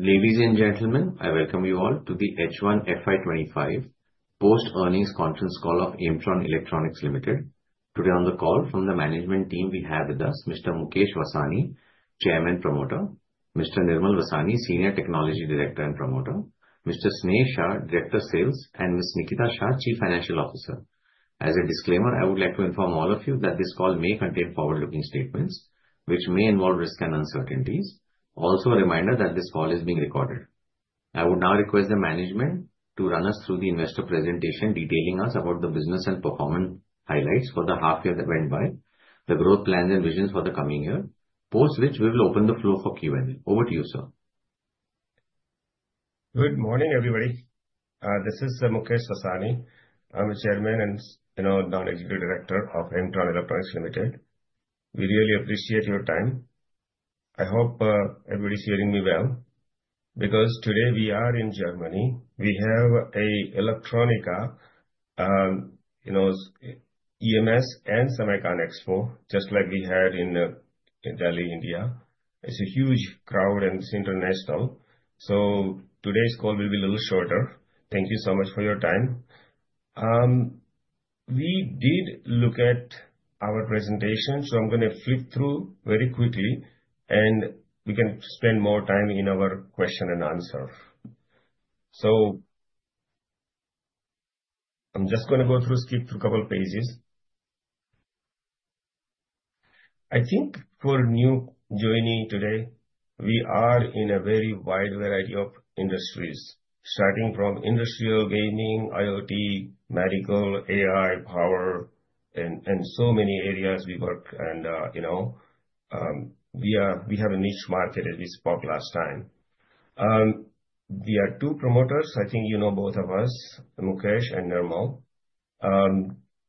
Ladies and gentlemen, I welcome you all to the H1 FY 2025 post-earnings conference call of Aimtron Electronics Limited. Today on the call from the management team, we have with us Mr. Mukesh Vasani, Chairman Promoter, Mr. Nirmal Vasani, Senior Technology Director and Promoter, Mr. Sneh Shah, Director of Sales, and Ms. Nikita Shah, Chief Financial Officer. As a disclaimer, I would like to inform all of you that this call may contain forward-looking statements, which may involve risks and uncertainties. Also, a reminder that this call is being recorded. I would now request the management to run us through the investor presentation, detailing us about the business and performance highlights for the half year that went by, the growth plans and visions for the coming year. Post which, we will open the floor for Q&A. Over to you, sir. Good morning, everybody. This is Mukesh Vasani. I'm the chairman and non-executive director of Aimtron Electronics Limited. We really appreciate your time. I hope everybody's hearing me well, because today we are in Germany. We have Electronica, EMS, and SEMICON Expo, just like we had in Delhi, India. It's a huge crowd and it's international. Today's call will be a little shorter. Thank you so much for your time. We did look at our presentation, so I'm going to flip through very quickly and we can spend more time in our question and answer. I'm just going to skip through a couple of pages. I think for new joining today, we are in a very wide variety of industries, starting from industrial, gaming, IoT, medical, AI, power, and so many areas we work. We have a niche market as we spoke last time. We are two promoters. I think you know both of us, Mukesh and Nirmal.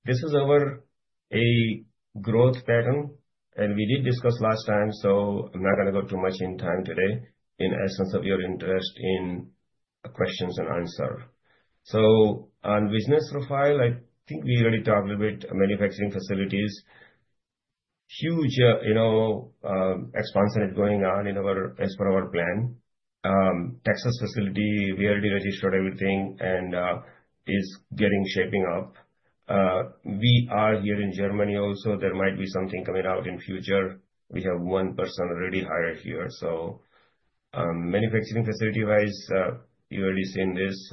This is our growth pattern, and we did discuss last time, so I'm not going to go too much in time today in essence of your interest in questions and answer. On business profile, I think we already talked a little bit. Manufacturing facilities. Huge expansion is going on as for our plan. Texas facility, we already registered everything and is getting shaping up. We are here in Germany also. There might be something coming out in future. We have one person already hired here. Manufacturing facility-wise, you already seen this.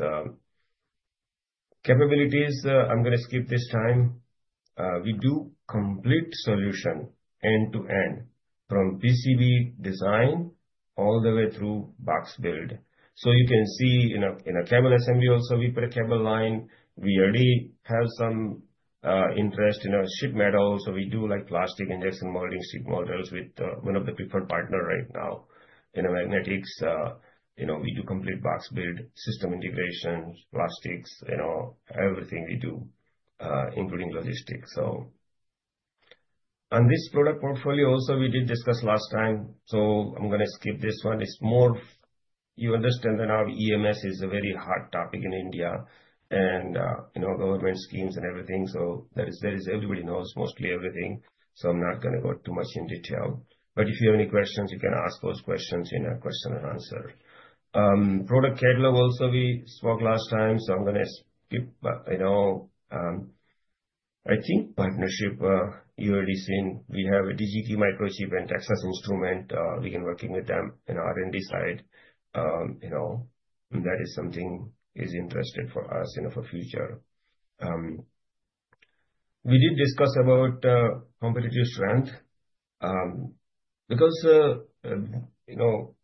Capabilities, I'm going to skip this time. We do complete solution end-to-end from PCB design all the way through box build. You can see in our cable assembly also, we put a cable line. We already have some interest in our sheet metal. We do plastic injection molding, sheet metals with one of the preferred partner right now. In our magnetics, we do complete box build, system integration, plastics, everything we do, including logistics. On this product portfolio also, we did discuss last time, so I'm going to skip this one. You understand that now EMS is a very hot topic in India and government schemes and everything. Everybody knows mostly everything, so I'm not going to go too much in detail. If you have any questions, you can ask those questions in our question and answer. Product catalog also we spoke last time, so I'm going to skip. I think partnership, you already seen we have DGT, Microchip and Texas Instruments. We can working with them in R&D side. That is something is interesting for us for future. We did discuss about competitive strength.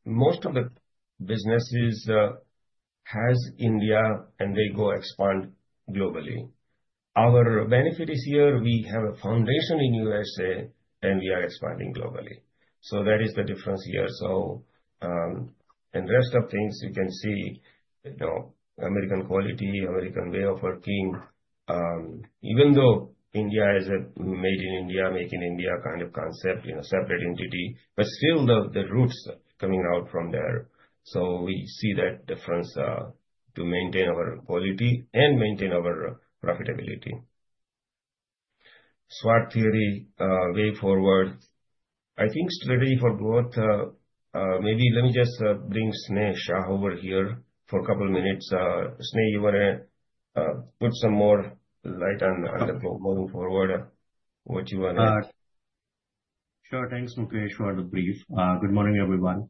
Most of the businesses have India and they go expand globally. Our benefit is here, we have a foundation in U.S.A. and we are expanding globally. That is the difference here. Rest of things you can see, American quality, American way of working. Even though India is a Made in India kind of concept, separate entity, but still the roots coming out from there. We see that difference, to maintain our quality and maintain our profitability. SWOT theory, way forward. I think maybe let me just bring Sneh Shah over here for a couple of minutes. Sneh, you want to put some more light on the moving forward, what you are. Sure. Thanks, Mukesh, for the brief. Good morning, everyone.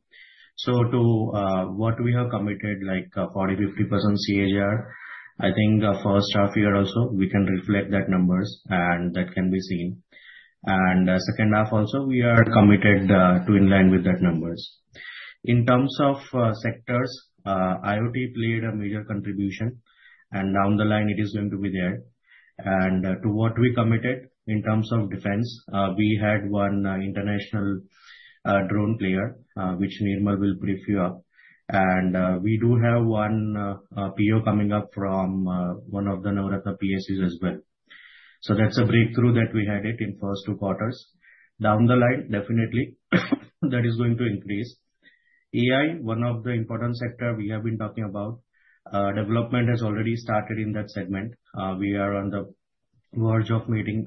To what we have committed, like 40%-50% CAGR, I think the first half year also we can reflect that numbers and that can be seen. Second half also, we are committed to in line with that numbers. In terms of sectors, IoT played a major contribution and down the line it is going to be there. To what we committed in terms of defense, we had one international drone player, which Nirmal will brief you up. We do have one PO coming up from one of the Navratna PSUs as well. That's a breakthrough that we had it in first two quarters. Down the line, definitely that is going to increase. AI, one of the important sector we have been talking about. Development has already started in that segment. We are on the large of making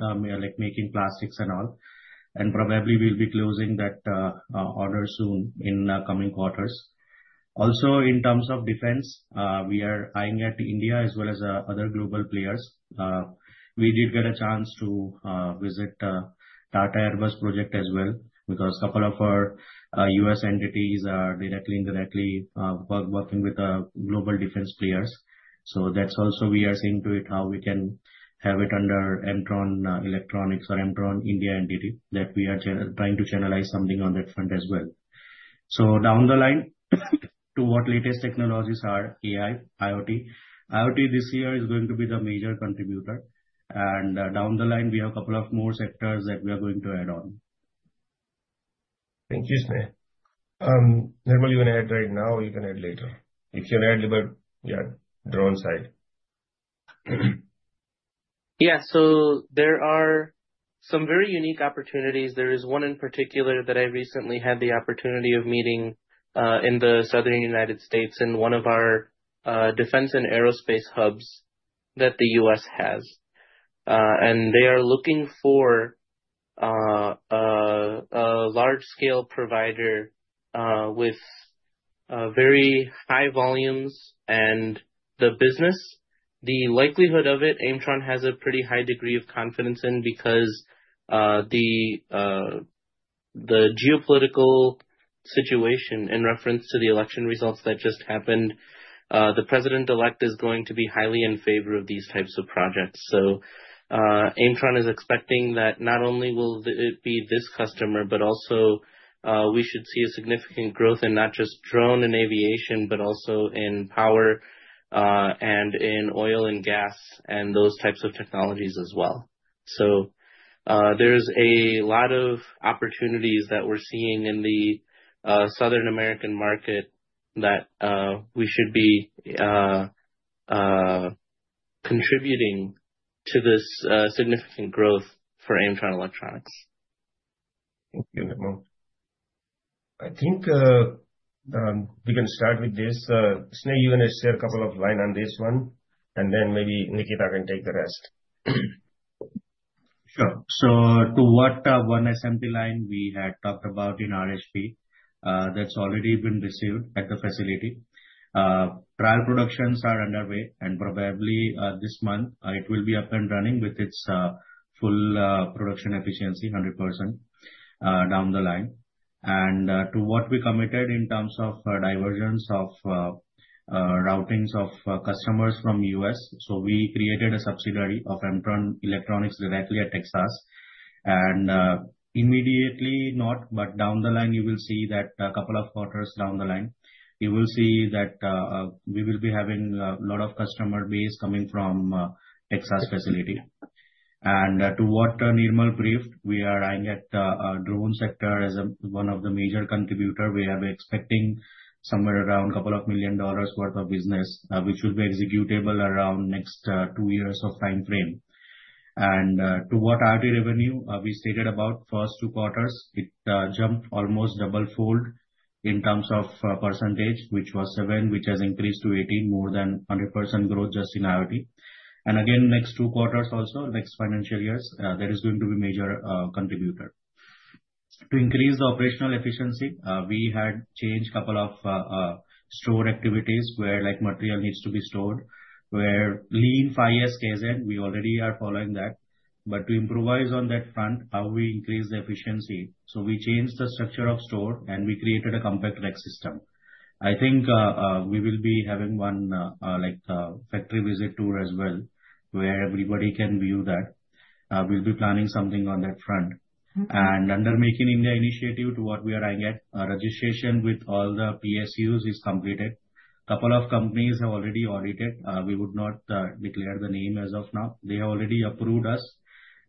plastics and all, and probably we'll be closing that order soon in coming quarters. Also, in terms of defense, we are eyeing at India as well as other global players. We did get a chance to visit Tata Airbus project as well because couple of our U.S. entities are directly, indirectly, working with global defense players. That's also we are seeing to it how we can have it under Aimtron Electronics or Aimtron India entity, that we are trying to channelize something on that front as well. Down the line, to what latest technologies are AI, IoT. IoT this year is going to be the major contributor, down the line, we have couple of more sectors that we are going to add on. Thank you, Sneh. Nirmal, you want to add right now or you can add later? You can add about drone side. Yeah. There are some very unique opportunities. There is one in particular that I recently had the opportunity of meeting, in the Southern United States in one of our defense and aerospace hubs that the U.S. has. They are looking for a large-scale provider, with very high volumes. The business, the likelihood of it, Aimtron has a pretty high degree of confidence in because the geopolitical situation in reference to the election results that just happened, the president-elect is going to be highly in favor of these types of projects. Aimtron is expecting that not only will it be this customer, but also, we should see a significant growth in not just drone and aviation, but also in power, and in oil and gas and those types of technologies as well. There's a lot of opportunities that we're seeing in the Southern American market that we should be contributing to this significant growth for Aimtron Electronics. Thank you, Nirmal. I think, we can start with this. Sneh, you want to share a couple of line on this one, then maybe Nikita can take the rest. Sure. To what one assembly line we had talked about in RSP, that's already been received at the facility. Trial productions are underway. Probably this month it will be up and running with its full production efficiency, 100%, down the line. To what we committed in terms of diversions of routings of customers from U.S. We created a subsidiary of Aimtron Electronics directly at Texas. Immediately not, but down the line, you will see that a couple of quarters down the line, you will see that we will be having a lot of customer base coming from Texas facility. To what Nirmal briefed, we are eyeing at drone sector as one of the major contributor. We are expecting somewhere around couple of million dollars worth of business, which will be executable around next two years of time frame. To what IP revenue, we stated about first two quarters, it jumped almost double-fold in terms of percentage, which was 7, which has increased to 18, more than 100% growth just in IoT. Again, next two quarters also, next financial years, that is going to be major contributor. To increase the operational efficiency, we had changed couple of store activities where material needs to be stored, where lean 5S Kaizen, we already are following that. To improvise on that front, how we increase the efficiency. We changed the structure of store, and we created a compact rack system. I think we will be having one factory visit tour as well, where everybody can view that. We will be planning something on that front. Okay. Under Make in India initiative, to what we are eyeing at, registration with all the PSUs is completed. Couple of companies have already audited. We would not declare the name as of now. They already approved us,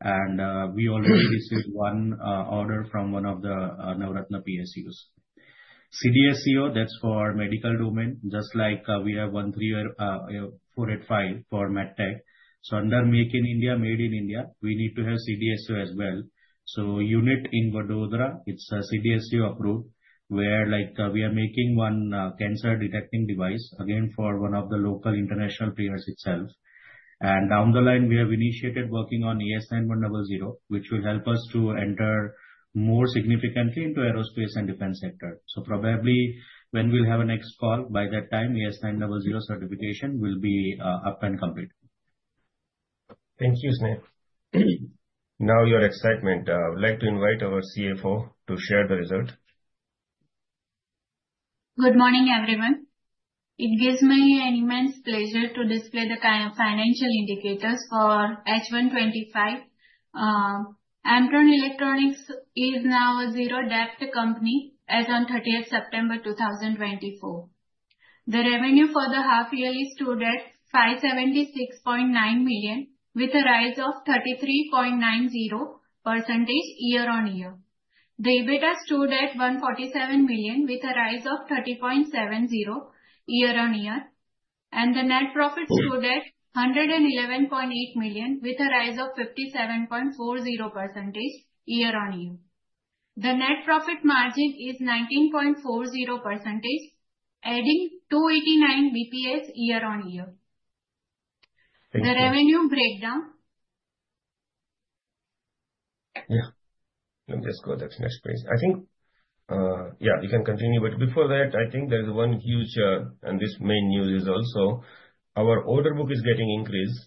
and we already received one order from one of the Navratna PSUs. CDSCO, that is for medical domain, just like we have 1, 3 or 4 at 5 for MedTech. Under Make in India, Made in India, we need to have CDSCO as well. Unit in Vadodara, it is CDSCO approved, where we are making one cancer detecting device, again for one of the local international players itself. Down the line, we have initiated working on AS9100, which will help us to enter more significantly into aerospace and defense sector. Probably when we will have a next call, by that time, AS9100 certification will be up and complete. Thank you, Sneh. Now your excitement. I would like to invite our CFO to share the result. Good morning, everyone. It gives me an immense pleasure to display the financial indicators for H1 2025. Aimtron Electronics is now a zero debt company as on 30th September 2024. The revenue for the half year stood at 576.9 million, with a rise of 33.90% year-on-year. The EBITDA stood at 147 million, with a rise of 30.70% year-on-year. The net profit stood at 111.8 million, with a rise of 57.40% year-on-year. The net profit margin is 19.40%, adding 289 basis points year-on-year. Thank you. The revenue breakdown. Yeah. Let me just go to the next page. I think, yeah, you can continue. Before that, I think there's one huge, and this main news is also our order book is getting increased.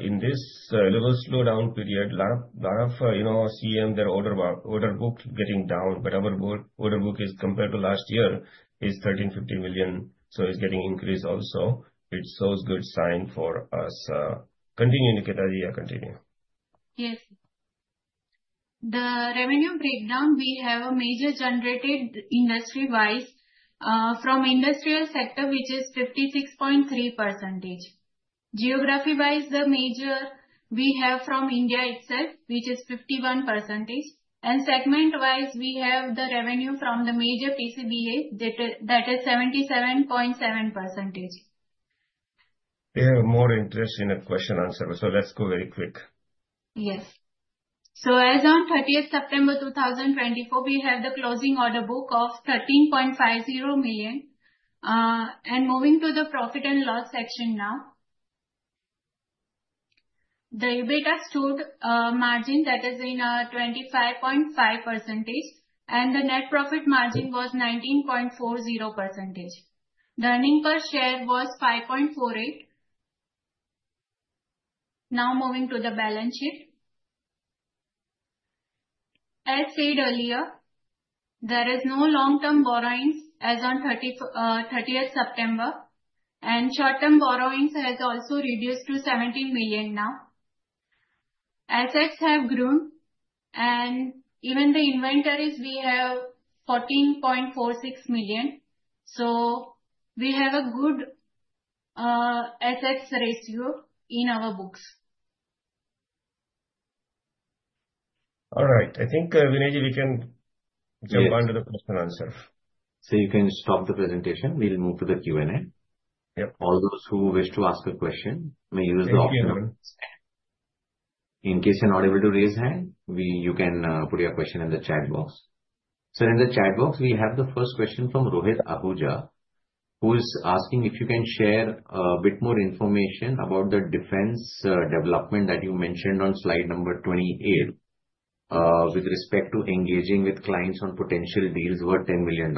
In this little slowdown period, lot of CM, their order book keeping down. Our order book compared to last year is 1,350 million, it's getting increased also. It shows good sign for us. Continue, Nikita. Yeah, continue. Yes. The revenue breakdown, we have a major generated industry-wise, from industrial sector, which is 56.3%. Geography-wise, the major we have from India itself, which is 51%. Segment-wise, we have the revenue from the major PCBA, that is 77.7%. They have more interest in a question and answer, so let's go very quick. Yes. As on 30th September 2024, we have the closing order book of 13.50 million. Moving to the profit and loss section now. The EBITDA stood a margin that is 25.5%, and the net profit margin was 19.40%. The earning per share was 5.48. Now moving to the balance sheet. As said earlier, there is no long-term borrowings as on 30th September, and short-term borrowings has also reduced to 70 million now. Assets have grown and even the inventories, we have 14.46 million. We have a good assets ratio in our books. All right. I think, Vineet, we can jump- Yes onto the question and answer. You can stop the presentation. We'll move to the Q&A. Yep. All those who wish to ask a question may use the option. Thank you, everyone. In case you're not able to raise hand, you can put your question in the chat box. In the chat box, we have the first question from Rohit Ahuja, who is asking if you can share a bit more information about the defense development that you mentioned on slide number 28, with respect to engaging with clients on potential deals worth $10 million.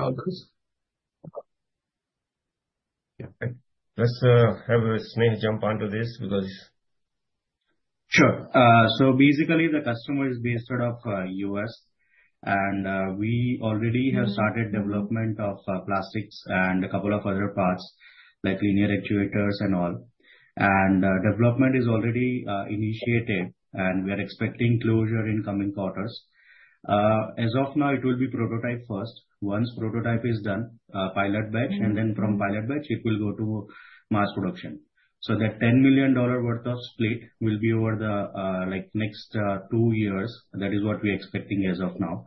Yeah, okay. Let's have Mr. Sneh Shah jump onto this because Sure. Basically, the customer is based out of U.S. and we already have started development of plastics and a couple of other parts like linear actuators and all. Development is already initiated, and we are expecting closure in coming quarters. As of now, it will be prototype first. Once prototype is done, pilot batch and then from pilot batch it will go to mass production. That $10 million worth of split will be over the next two years. That is what we are expecting as of now.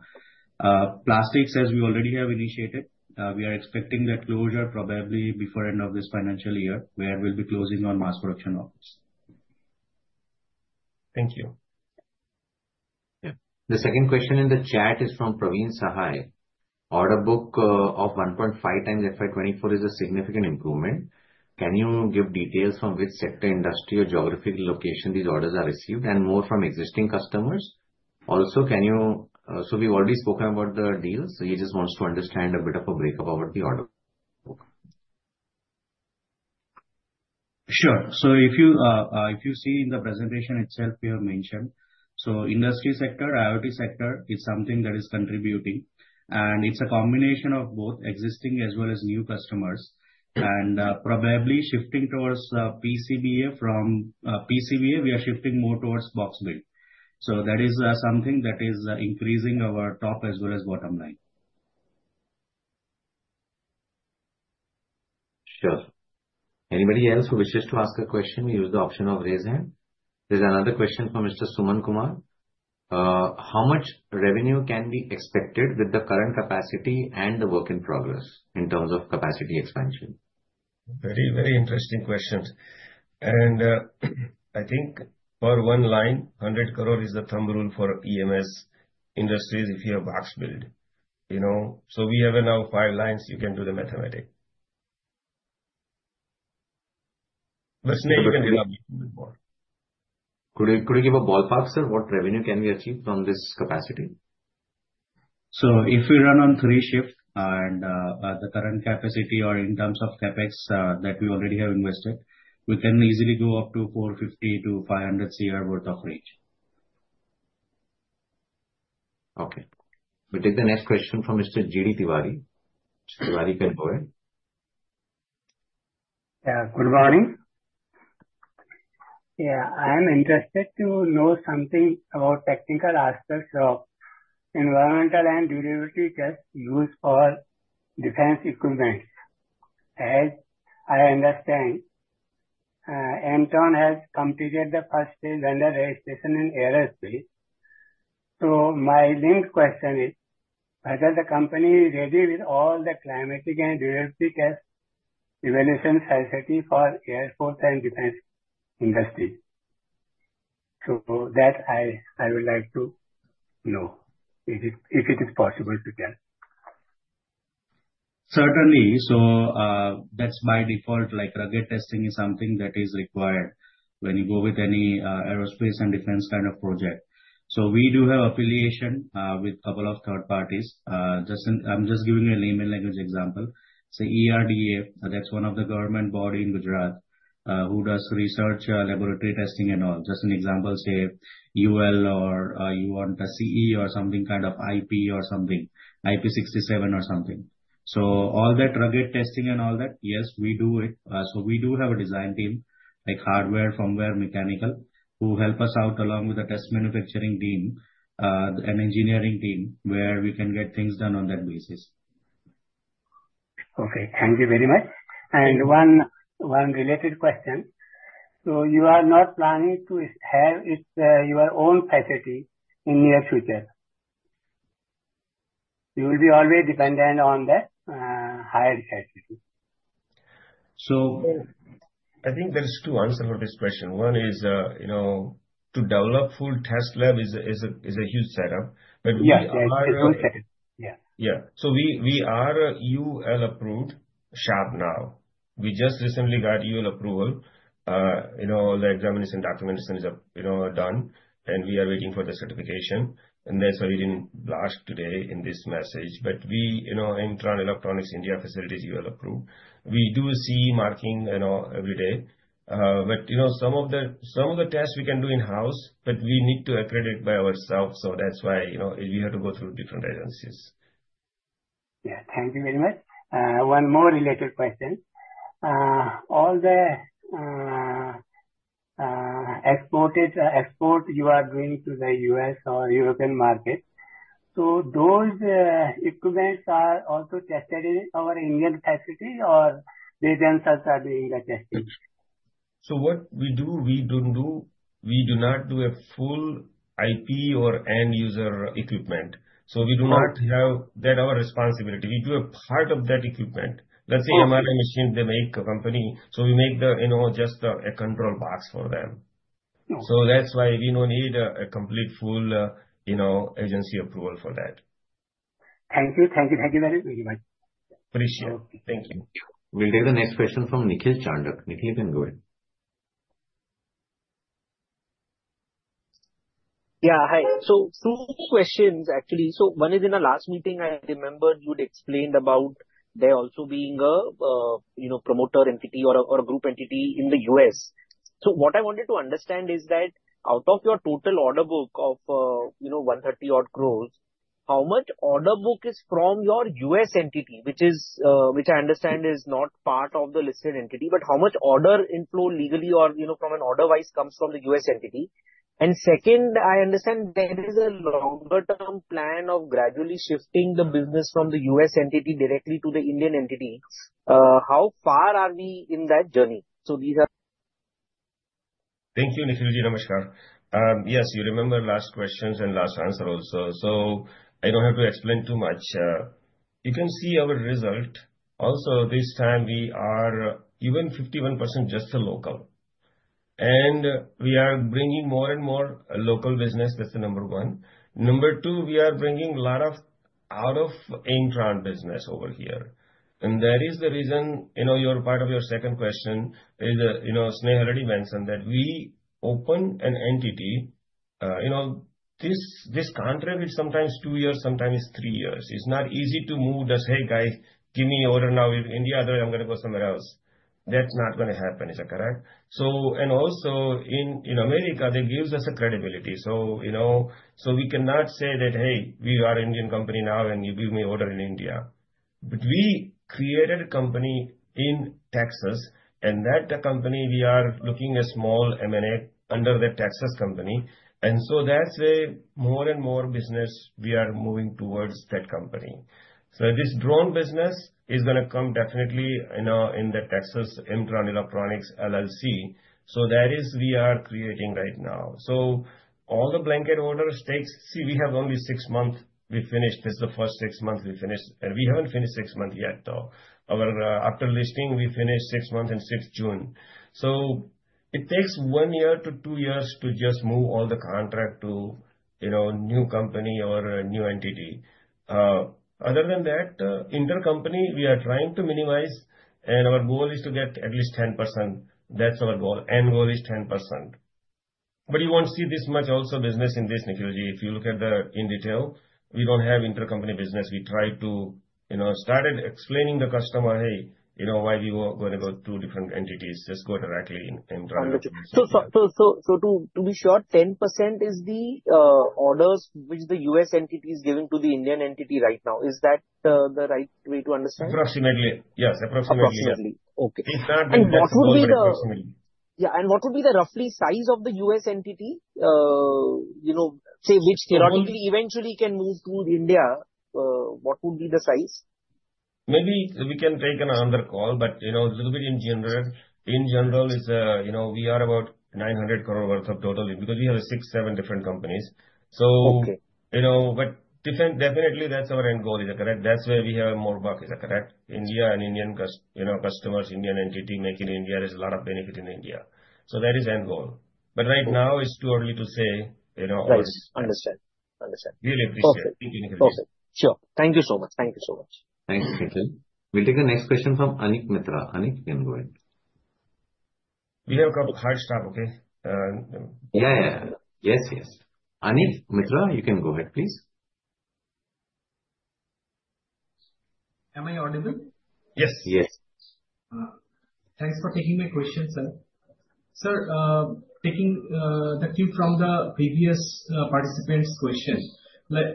Plastics, as we already have initiated, we are expecting that closure probably before end of this financial year, where we'll be closing on mass production orders. Thank you. Yeah. The second question in the chat is from Praveen Sahay. Order book of 1.5 times FY 2024 is a significant improvement. Can you give details from which sector, industry or geographical location these orders are received, and more from existing customers? We've already spoken about the deals, so he just wants to understand a bit of a breakup about the order book. Sure. If you see in the presentation itself, we have mentioned. Industry sector, IoT sector is something that is contributing, and it's a combination of both existing as well as new customers. Probably shifting towards PCBA. From PCBA, we are shifting more towards box build. That is something that is increasing our top as well as bottom line. Sure. Anybody else who wishes to ask a question, use the option of raise hand. There is another question from Mr. Suman Kumar. How much revenue can be expected with the current capacity and the work in progress in terms of capacity expansion? Very interesting questions. I think for one line, 100 crore is the thumb rule for EMS industries if you have box build. We have now five lines. You can do the mathematics. Sneha can elaborate more. Could you give a ballpark, sir, what revenue can we achieve from this capacity? If we run on three shifts and the current capacity or in terms of CapEx that we already have invested, we can easily go up to 450 crore-500 crore worth of reach. Okay. We'll take the next question from Mr. GD Tiwari. Tiwari Pedboi. Yeah. Good morning. Yeah. I am interested to know something about technical aspects of environmental and durability test used for defense equipment. As I understand, Aimtron has completed the first phase vendor registration in aerospace. My linked question is, whether the company is ready with all the climatic and durability test evaluation society for Air Force and defense industry? That I would like to know if it is possible to get. Certainly. That's by default, rugged testing is something that is required when you go with any aerospace and defense kind of project. We do have affiliation with a couple of third parties. I'm just giving you a layman language example. Say ERDA, that's one of the government body in Gujarat who does research, laboratory testing and all. Just an example, say UL or you want a CE or something kind of IP or something, IP67 or something. All that rugged testing and all that, yes, we do it. We do have a design team, like hardware, firmware, mechanical, who help us out along with the test manufacturing team, an engineering team, where we can get things done on that basis. Okay. Thank you very much. One related question. You are not planning to have your own facility in near future? You will be always dependent on the hired facility. I think there's two answer for this question. One is to develop full test lab is a huge setup. Yes. Yeah. We are UL approved shop now. We just recently got UL approval. All the examinations, documentations are done, that's why we didn't blast today in this message. We, Aimtron Electronics India facilities UL approved. We do CE marking every day. Some of the tests we can do in-house, but we need to accredit by ourselves, that's why we have to go through different agencies. Yeah. Thank you very much. One more related question. All the export you are doing to the U.S. or European market. Those equipments are also tested in our Indian facility or the agents are doing the testing? What we do, we do not do a full IP or end user equipment. We do not have that our responsibility. We do a part of that equipment. Let's say American Machine, they make a company, we make just a control box for them. No. That's why we don't need a complete full agency approval for that. Thank you. Thank you very much. Appreciate. Thank you. We'll take the next question from Nikhil Chandak. Nikhil, you can go ahead. Yeah. Hi. Two questions, actually. One is, in the last meeting, I remember you'd explained about there also being a promoter entity or a group entity in the U.S. What I wanted to understand is that out of your total order book of 130 odd crores, how much order book is from your U.S. entity, which I understand is not part of the listed entity, but how much order inflow legally or from an order-wise comes from the U.S. entity. Second, I understand there is a longer-term plan of gradually shifting the business from the U.S. entity directly to the Indian entity. How far are we in that journey? Thank you, Nikhil. Namaskar. Yes, you remember last questions and last answer also. I don't have to explain too much. You can see our result. Also, this time we are even 51% just a local. We are bringing more and more local business. That's the number one. Number two, we are bringing a lot of out of Aimtron business over here. That is the reason, part of your second question is, Sneha already mentioned that we open an entity. This contract is sometimes 2 years, sometimes 3 years. It's not easy to move, just, "Hey, guys, give me order now in India, other I'm going to go somewhere else." That's not going to happen. Is that correct? Also in America, that gives us a credibility. We cannot say that, "Hey, we are Indian company now and give me order in India." We created a company in Texas, and that company, we are looking a small M&A under the Texas company. That's where more and more business we are moving towards that company. This drone business is going to come definitely in the Texas Aimtron Electronics LLC. That is we are creating right now. All the blanket orders takes. See, we have only 6 months. We finished. This is the first 6 months we finished. We haven't finished 6 months yet, though. After listing, we finished 6 months in 6th June. It takes 1 year to 2 years to just move all the contract to new company or a new entity. Other than that, intercompany, we are trying to minimize, and our goal is to get at least 10%. That's our goal. End goal is 10%. You won't see this much also business in this, Nikhil, if you look at the in detail, we don't have intercompany business. We try to started explaining the customer, "Hey, why you are going to go two different entities? Just go directly in Aimtron. Understood. To be sure, 10% is the orders which the U.S. entity is giving to the Indian entity right now. Is that the right way to understand? Approximately, yes. Approximately. Okay. If that then that's approximately. What would be the roughly size of the U.S. entity, say, which theoretically eventually can move to India? What would be the size? Maybe we can take another call, but a little bit in general. In general is we are about 900 crore worth of total because we have six, seven different companies. Okay. Definitely that's our end goal. Is that correct? That's where we have more buck. Is that correct? India and Indian customers, Indian entity Make in India. There's a lot of benefit in India. That is end goal. Right now it's too early to say. Right. Understood. Understand. Really appreciate it. Perfect. Sure. Thank you so much. Thanks, Nikhil. We'll take the next question from Anik Mitra. Anik, you can go ahead. We have got to start, okay? Yeah. Yes. Anik Mitra, you can go ahead, please. Am I audible? Yes. Yes. Thanks for taking my question, sir. Sir, taking the cue from the previous participant's question,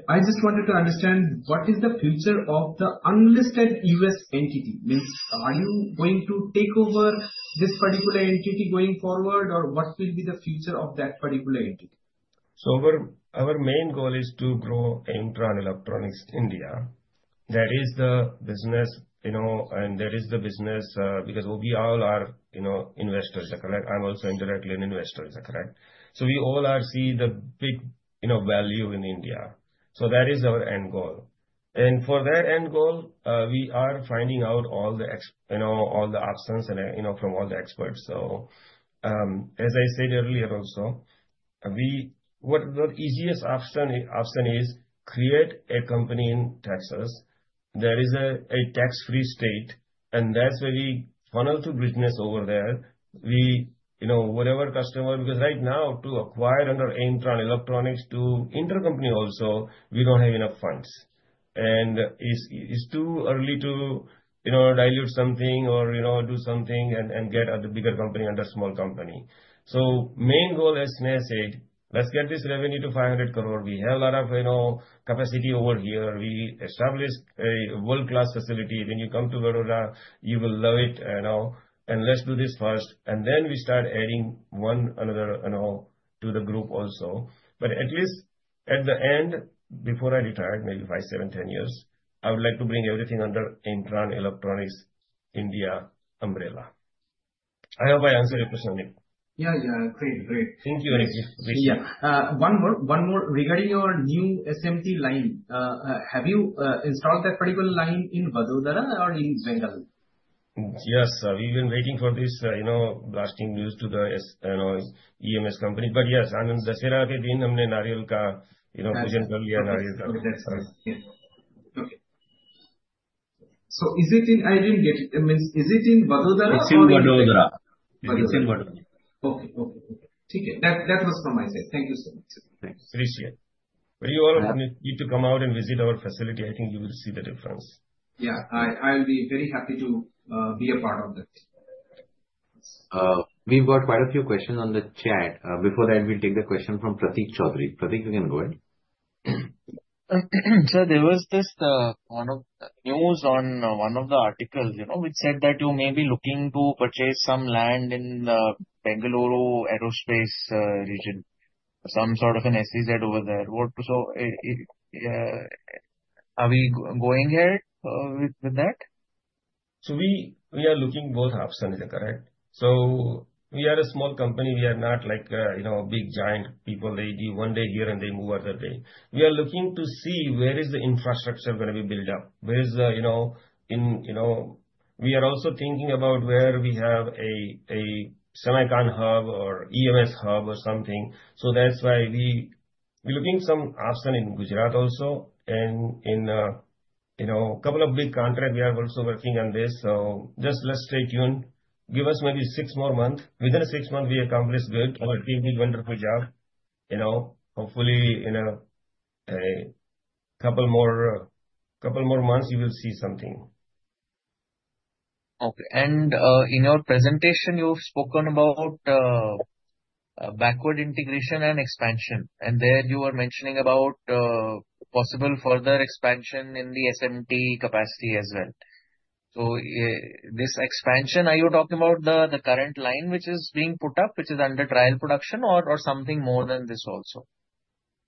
I just wanted to understand what is the future of the unlisted U.S. entity? Means, are you going to take over this particular entity going forward or what will be the future of that particular entity? Our main goal is to grow Aimtron Electronics India. That is the business, because we all are investors, correct? I'm also indirectly an investor. Correct? We all see the big value in India. That is our end goal. For that end goal, we are finding out all the options from all the experts. As I said earlier also, the easiest option is create a company in Texas. That is a tax-free state, and that's very favorable to business over there. Because right now to acquire under Aimtron Electronics to intercompany also, we don't have enough funds. It's too early to dilute something or do something and get the bigger company under small company. Main goal, as Sneha said, let's get this revenue to 500 crore. We have a lot of capacity over here. We established a world-class facility. When you come to Vadodara, you will love it. Let's do this first, and then we start adding one another to the group also. At least at the end, before I retire, maybe 5, 7, 10 years, I would like to bring everything under Aimtron Electronics India umbrella. I hope I answered your question, Anik. Yeah. Great. Thank you, Anik. Yeah. One more. Regarding your new SMT line, have you installed that particular line in Vadodara or in Zandali? Yes. We've been waiting for this blasting news to the EMS company. Yes, on Dussehra day we did the ritual with coconut. Okay. I didn't get it. Means is it in Vadodara? It's in Vadodara. Vadodara. It is in Vadodara. Okay. That was from my side. Thank you so much, sir. Thanks. Appreciate it. When you all need to come out and visit our facility, I think you will see the difference. Yeah. I'll be very happy to be a part of that. We've got quite a few questions on the chat. Before that, we will take the question from Prateek Chaudhary. Prateek, you can go ahead. Sir, there was this news on one of the articles which said that you may be looking to purchase some land in Bengaluru aerospace region. Some sort of an SEZ over there. Are we going ahead with that? We are looking both options. Is it correct? We are a small company. We are not like a big giant people. They do one day here and they move other day. We are looking to see where is the infrastructure going to be built up. We are also thinking about where we have a Silicon hub or EMS hub or something. That's why we are looking some option in Gujarat also. And couple of big contract we are also working on this. Just let's stay tuned. Give us maybe six more months. Within six months we accomplish good. Our team did wonderful job. Hopefully, in a couple more months you will see something. In your presentation you have spoken about backward integration and expansion. There you were mentioning about possible further expansion in the SMT capacity as well. This expansion, are you talking about the current line which is being put up, which is under trial production or something more than this also?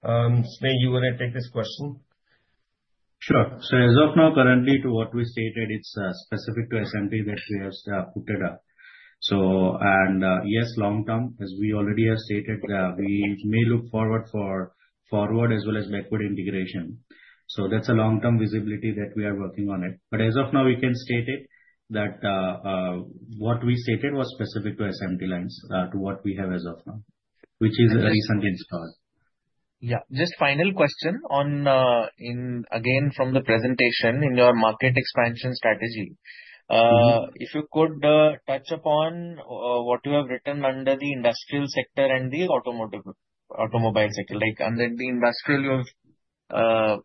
Sneha, you want to take this question? Sure. As of now currently to what we stated, it's specific to SMT that we have put it up. Yes, long term, as we already have stated, we may look forward as well as backward integration. That's a long-term visibility that we are working on it. As of now we can state it that what we stated was specific to SMT lines, to what we have as of now, which is recently installed. Yeah. Just final question. Again, from the presentation in your market expansion strategy. If you could touch upon what you have written under the industrial sector and the automobile sector. Under the industrial, you have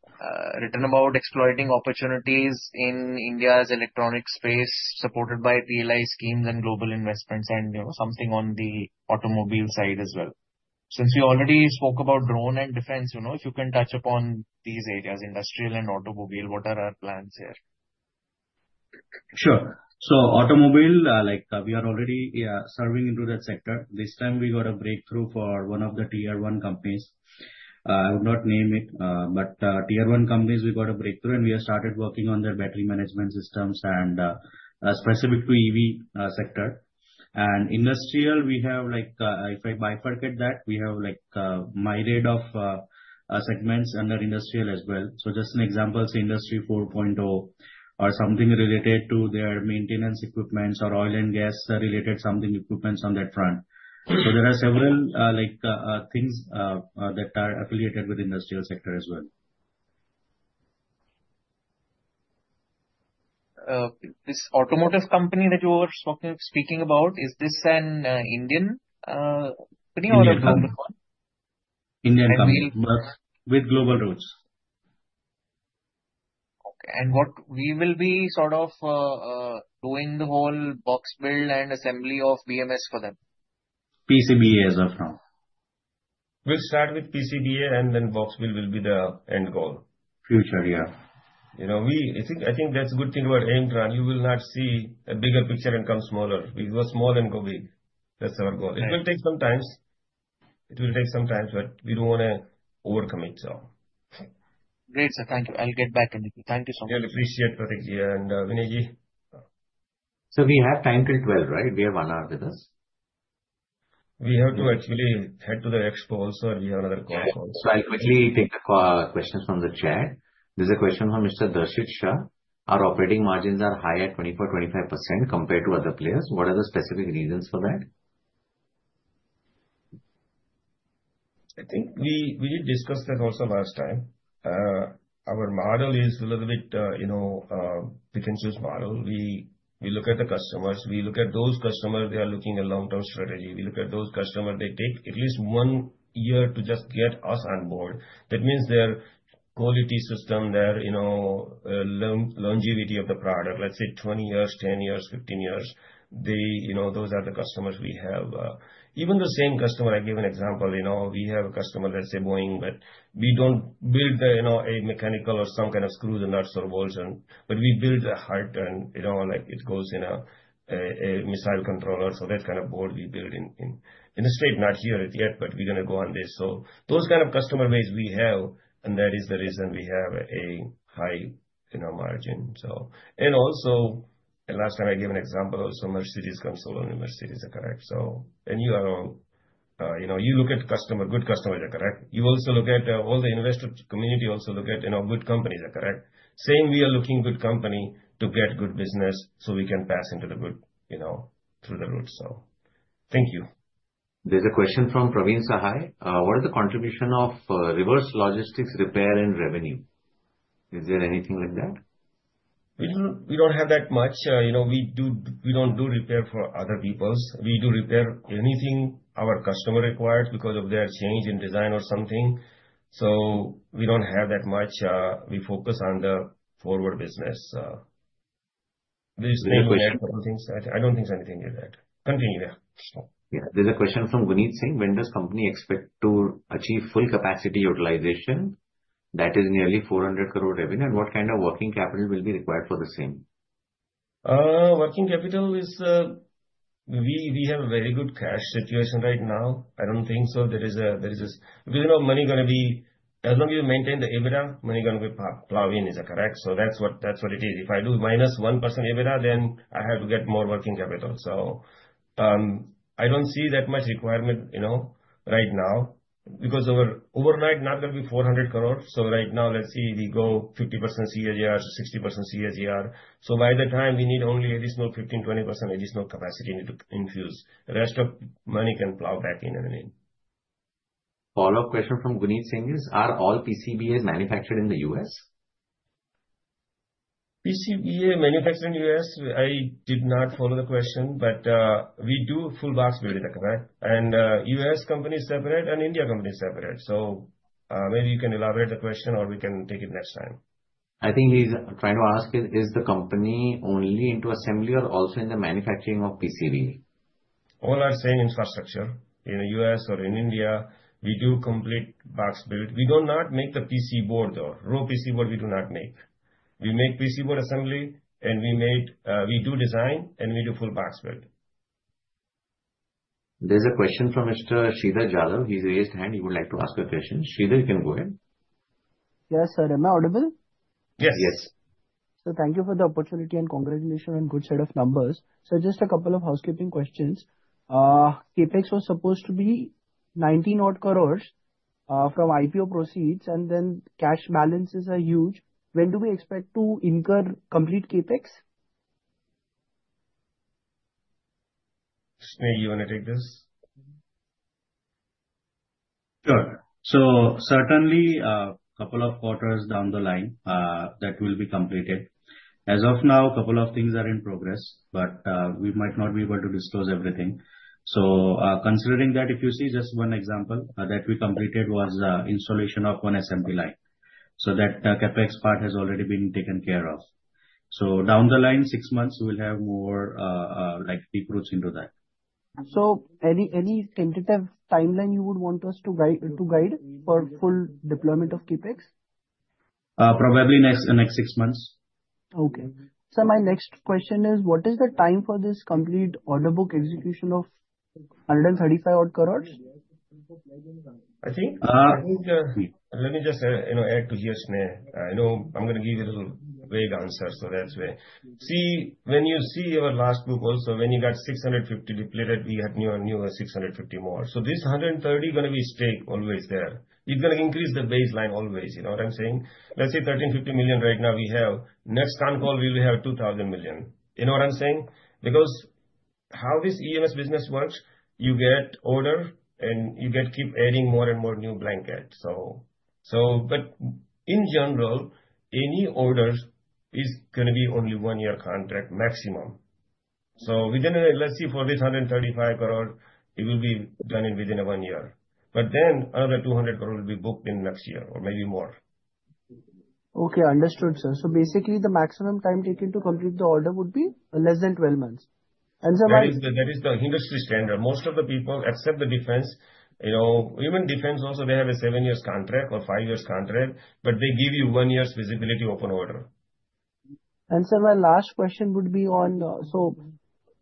written about exploiting opportunities in India's electronic space supported by PLI schemes and global investments and something on the automobile side as well. Since you already spoke about drone and defense, if you can touch upon these areas, industrial and automobile, what are our plans here? Sure. Automobile, we are already serving into that sector. This time we got a breakthrough for one of the tier 1 companies. I would not name it, but tier 1 companies we got a breakthrough and we have started working on their battery management systems and specific to EV sector. Industrial, if I bifurcate that, we have myriad of segments under industrial as well. Just an example is Industry 4.0 or something related to their maintenance equipments or oil and gas related something equipments on that front. There are several things that are affiliated with industrial sector as well. This automotive company that you were speaking about, is this an Indian company or a global one? Indian company. Indian company. With global roots. Okay. We will be sort of doing the whole box build and assembly of BMS for them. PCBA as of now. We'll start with PCBA and then box build will be the end goal. Future, yeah. I think that's a good thing about Aimtron. You will not see a bigger picture and come smaller. We go small and go big. That's our goal. It will take some time, but we don't want to overcommit. Great, sir. Thank you. I'll get back on it to you. Thank you so much. Really appreciate, Prateekji and Vinayji. We have time till 12, right? We have one hour with us. We have to actually head to the expo also. We have another call also. I'll quickly take questions from the chat. There's a question from Mr. Darshit Shah. Our operating margins are high at 24%-25% compared to other players. What are the specific reasons for that? I think we discussed that also last time. Our model is a little bit of a pick-and-choose model. We look at the customers. We look at those customers, they are looking at long-term strategy. We look at those customers, they take at least one year to just get us on board. That means their quality system, their longevity of the product, let's say 20 years, 10 years, 15 years. Those are the customers we have. Even the same customer, I give an example. We have a customer, let's say Boeing, but we don't build a mechanical or some kind of screws and nuts or bolts. But we build a heart and it goes in a missile controller. That kind of board we build in the State. Not here yet, but we're going to go on this. Those kind of customer base we have, and that is the reason we have a high margin. Also, last time I gave an example, Mercedes comes alone. Mercedes are correct. You look at good customers, correct? You also look at all the investor community also look at good companies, correct? Same, we are looking good company to get good business so we can pass into the good through the roots. Thank you. There's a question from Praveen Sahay. What is the contribution of reverse logistics repair and revenue? Is there anything like that? We don't have that much. We don't do repair for other people. We do repair anything our customer requires because of their change in design or something. We don't have that much. We focus on the forward business. There's a question. I don't think there's anything like that. Continue. Yeah. There is a question from Vineet Singh. When does company expect to achieve full capacity utilization that is nearly 400 crore revenue? What kind of working capital will be required for the same? Working capital, we have a very good cash situation right now. I don't think so. Money going to be, as long as you maintain the EBITDA, money going to be plowing is correct. That is what it is. If I do minus 1% EBITDA, I have to get more working capital. I don't see that much requirement right now because overnight not going to be 400 crore. Right now, let us see, we go 50% CAGR to 60% CAGR. By the time we need only additional 15%, 20% additional capacity need to infuse. The rest of money can plow back in and again. Follow-up question from Vineet Singh is, are all PCBA manufactured in the U.S.? PCBA manufactured in U.S. I did not follow the question, we do full box build, correct? U.S. company is separate and India company is separate. Maybe you can elaborate the question or we can take it next time. I think he's trying to ask is the company only into assembly or also in the manufacturing of PCB? All are same infrastructure. In U.S. or in India, we do complete box build. We do not make the PC board, though. Raw PC board we do not make. We make PC board assembly, and we do design, and we do full box build. There's a question from Mr. Sridhar Jadhav. He's raised hand, he would like to ask a question. Sridhar, you can go ahead. Yes, sir. Am I audible? Yes. Yes. Sir, thank you for the opportunity and congratulations on good set of numbers. Just a couple of housekeeping questions. CapEx was supposed to be 90 odd crores, from IPO proceeds, and then cash balances are huge. When do we expect to incur complete CapEx? Sneha, you want to take this? Sure. Certainly, a couple of quarters down the line, that will be completed. As of now, couple of things are in progress, but we might not be able to disclose everything. Considering that, if you see just one example that we completed was installation of one assembly line. That CapEx part has already been taken care of. Down the line, six months, we'll have more deep roots into that. Any tentative timeline you would want us to guide for full deployment of CapEx? Probably next six months. Okay. Sir, my next question is, what is the time for this complete order book execution of 135 odd crore? I think, let me just add to here, Sneha. I know I'm going to give you a little vague answer, so that's why. When you see our last book also, when you got 650 depleted, we had newer 650 more. This 130 going to be stay always there. It's going to increase the baseline always. You know what I'm saying? Let's say 1,350 million right now we have. Next time call, we will have 2,000 million. You know what I'm saying? How this EMS business works, you get order and you get keep adding more and more new blanket. In general, any orders is going to be only one-year contract maximum. Within a year, let's see, for this 135 crore, it will be done within one year. Then another 200 crore will be booked in next year or maybe more. Okay, understood, sir. Basically the maximum time taken to complete the order would be less than 12 months. That is the industry standard. Most of the people, except the defense. Even defense also, they have a seven years contract or five years contract, but they give you one year's visibility of an order. Sir, my last question would be on,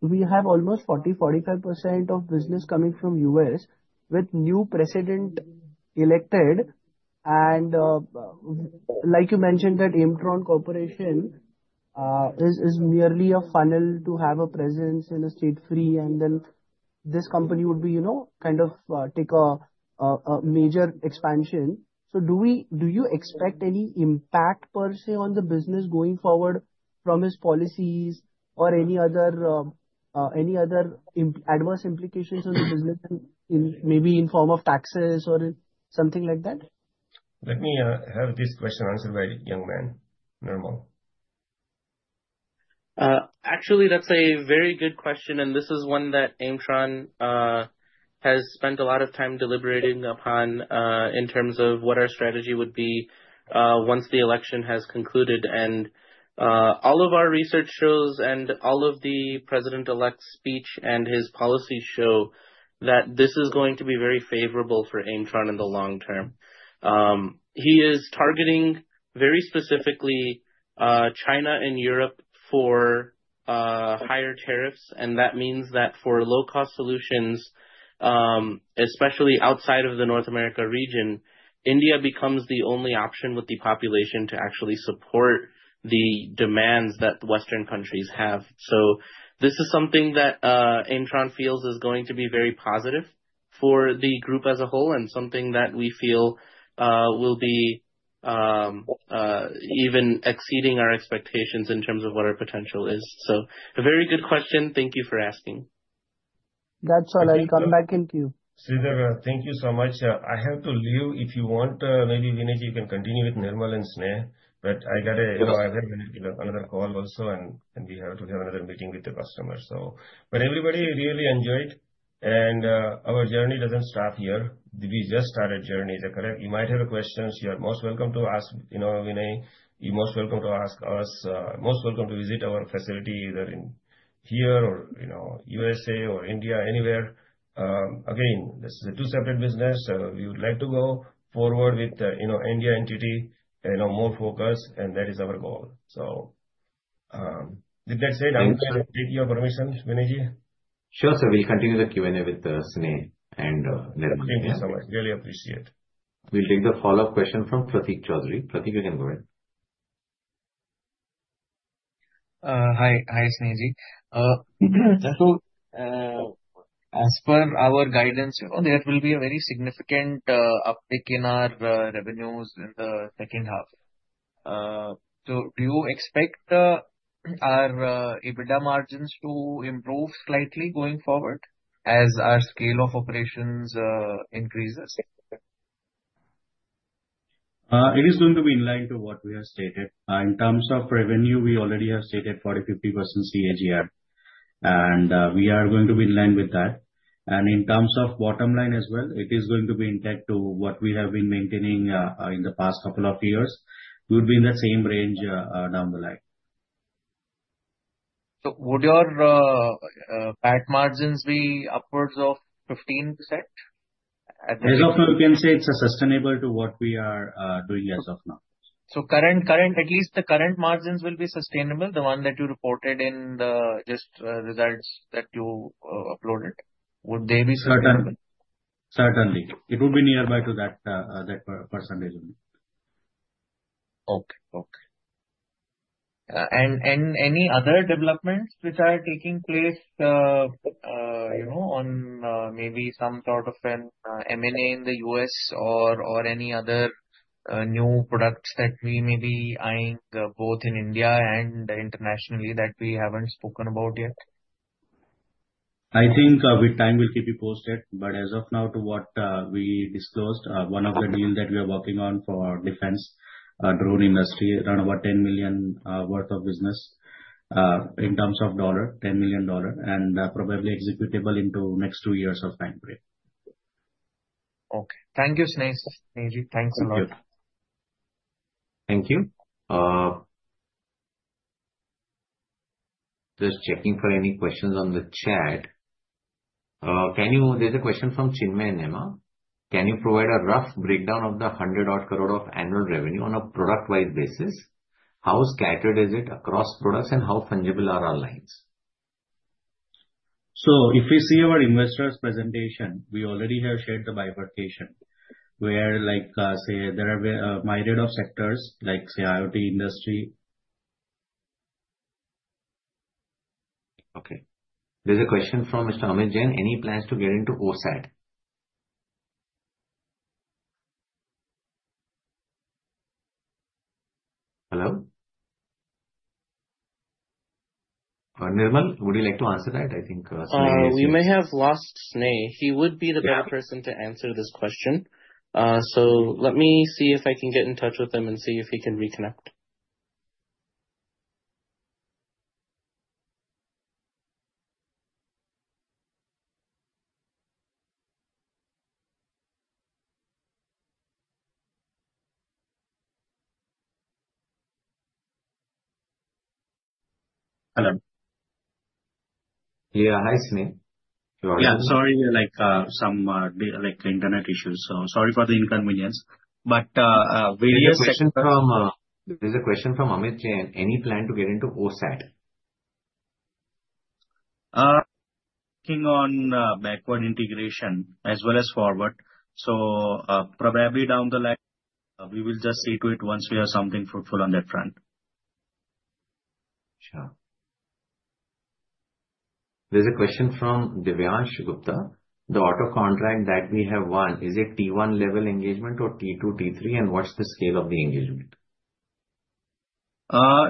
we have almost 40%-45% of business coming from U.S. with new president elected like you mentioned, that Aimtron Corporation is merely a funnel to have a presence in a state-side and this company would kind of take a major expansion. Do you expect any impact per se on the business going forward from his policies or any other adverse implications on the business maybe in form of taxes or something like that? Let me have this question answered by young man, Nirmal. Actually, that's a very good question, this is one that Aimtron has spent a lot of time deliberating upon in terms of what our strategy would be once the election has concluded. All of our research shows and all of the president-elect's speech and his policies show that this is going to be very favorable for Aimtron in the long term. He is targeting very specifically China and Europe for higher tariffs, and that means that for low-cost solutions, especially outside of the North America region, India becomes the only option with the population to actually support the demands that Western countries have. This is something that Aimtron feels is going to be very positive for the group as a whole, and something that we feel will be even exceeding our expectations in terms of what our potential is. A very good question. Thank you for asking. That's all. I'll come back in queue. Sridhar, thank you so much. I have to leave. If you want, maybe, Vinay, you can continue with Nirmal and Sneh. I got a- Of course. I have another call also, and we have to have another meeting with the customer. Everybody really enjoyed. Our journey doesn't stop here. We just started journey. You might have questions, you are most welcome to ask Vinay, you're most welcome to ask us, most welcome to visit our facility either in here or USA or India, anywhere. Again, this is two separate business. We would like to go forward with India entity in a more focus. That is our goal. With that said, I'm taking your permission, Vinay. Sure, sir. We'll continue the Q&A with Sneh and Nirmal. Thank you so much. Really appreciate. We'll take the follow-up question from Prateek Chaudhary. Pratik, you can go ahead. Hi, Sneh. As per our guidance, there will be a very significant uptick in our revenues in the second half. Do you expect our EBITDA margins to improve slightly going forward as our scale of operations increases? It is going to be in line to what we have stated. In terms of revenue, we already have stated 40%-50% CAGR, and we are going to be in line with that. In terms of bottom line as well, it is going to be intact to what we have been maintaining in the past couple of years. We would be in the same range down the line. Would your PAT margins be upwards of 15%? As of now, we can say it's sustainable to what we are doing as of now. At least the current margins will be sustainable, the one that you reported in the just results that you uploaded. Would they be sustainable? Certainly. It will be nearby to that percentage only. Okay. Any other developments which are taking place on maybe some sort of an M&A in the U.S. or any other new products that we may be eyeing, both in India and internationally that we haven't spoken about yet? I think with time we'll keep you posted, but as of now to what we disclosed, one of the deals that we are working on for defense drone industry, around over $10 million worth of business in terms of dollar, $10 million, and probably executable into next two years of timeframe. Okay. Thank you, Sneh. Thanks a lot. Thank you. Just checking for any questions on the chat. There's a question from Chinmay Nema. "Can you provide a rough breakdown of the 100 odd crore of annual revenue on a product-wide basis? How scattered is it across products and how fungible are our lines? If you see our investor presentation, we already have shared the bifurcation where there are myriad of sectors like, say, IoT industry. Okay. There's a question from Mr. Amit Jain. "Any plans to get into OSAT?" Nirmal, would you like to answer that? I think Sneh is- We may have lost Sneh. He would be the better person to answer this question. Let me see if I can get in touch with him and see if he can reconnect. Hello. Yeah. Hi, Sneh. You are- Yeah, sorry. Some internet issues. Sorry for the inconvenience. Various- There's a question from Amit Jain. Any plan to get into OSAT? Working on backward integration as well as forward. Probably down the line, we will just see to it once we have something fruitful on that front. Sure. There's a question from Divyansh Gupta. The auto contract that we have won, is it T1 level engagement or T2, T3, and what's the scale of the engagement?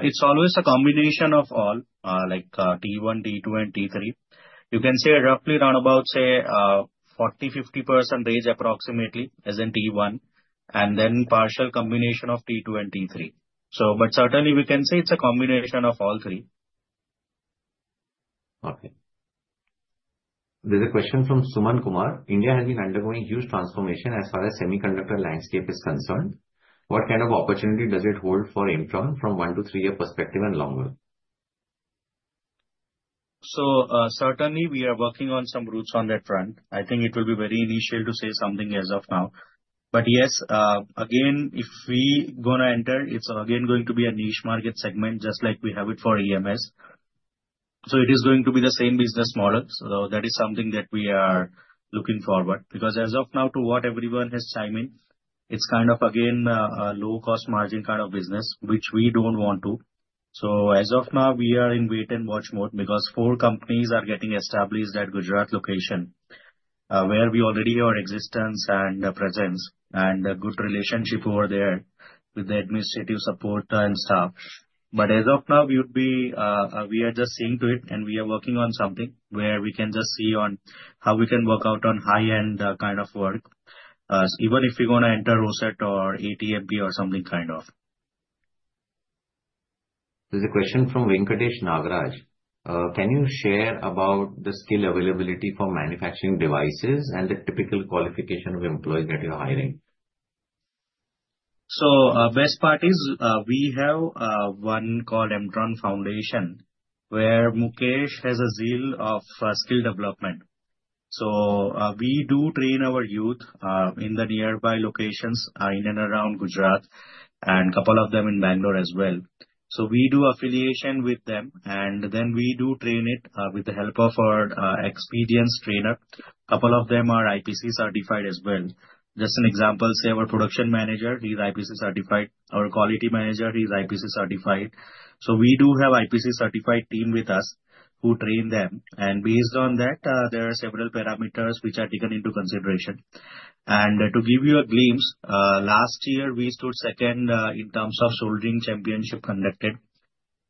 It's always a combination of all, like T1, T2, and T3. You can say roughly around about, say, 40, 50% range approximately is in T1, and then partial combination of T2 and T3. Certainly, we can say it's a combination of all three. Okay. There's a question from Suman Kumar. India has been undergoing huge transformation as far as semiconductor landscape is concerned. What kind of opportunity does it hold for Aimtron from one to three-year perspective and longer? Certainly, we are working on some routes on that front. I think it will be very initial to say something as of now. Yes, again, if we gonna enter, it's again going to be a niche market segment, just like we have it for EMS. It is going to be the same business model. That is something that we are looking forward. As of now, to what everyone has chimed in, it's kind of again, a low cost margin kind of business, which we don't want to. As of now, we are in wait and watch mode because four companies are getting established at Gujarat location. Where we already have existence and presence and a good relationship over there with the administrative support and staff. As of now, we are just seeing to it, and we are working on something where we can just see on how we can work out on high-end kind of work. Even if we gonna enter OSAT or ATMP or something kind of. There's a question from Venkatesh Nagaraj. Can you share about the skill availability for manufacturing devices and the typical qualification of employees that you're hiring? Best part is, we have one called Aimtron Foundation, where Mukesh has a zeal of skill development. We do train our youth, in the nearby locations in and around Gujarat, and couple of them in Bangalore as well. We do affiliation with them, and then we do train it with the help of our experienced trainer. Couple of them are IPC certified as well. Just an example, say our production manager, he's IPC certified. Our quality manager, he's IPC certified. We do have IPC certified team with us who train them. Based on that, there are several parameters which are taken into consideration. To give you a glimpse, last year, we stood second in terms of soldering championship conducted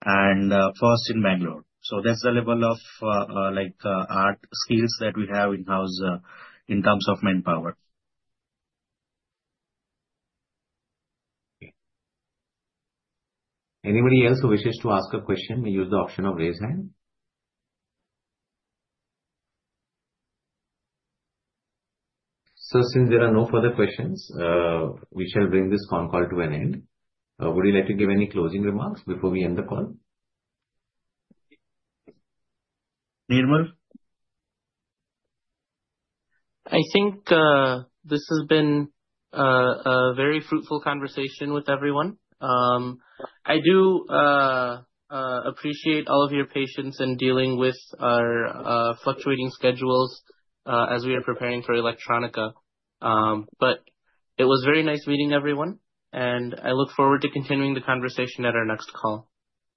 and first in Bangalore. That's the level of art skills that we have in-house in terms of manpower. Okay. Anybody else who wishes to ask a question may use the option of raise hand. Since there are no further questions, we shall bring this con call to an end. Would you like to give any closing remarks before we end the call? Nirmal? I think this has been a very fruitful conversation with everyone. I do appreciate all of your patience in dealing with our fluctuating schedules as we are preparing for electronica. It was very nice meeting everyone, and I look forward to continuing the conversation at our next call.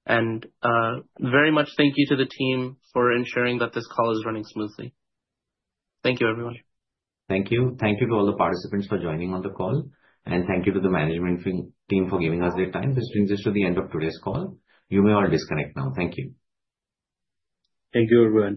Very much thank you to the team for ensuring that this call is running smoothly. Thank you, everyone. Thank you. Thank you to all the participants for joining on the call, thank you to the management team for giving us their time. This brings us to the end of today's call. You may all disconnect now. Thank you. Thank you, everyone.